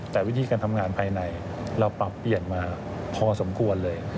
แต่วิธีการทำงานภายในเราปรับเปลี่ยนมาพอสมควรเลย